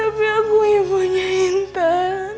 tapi aku ibunya intan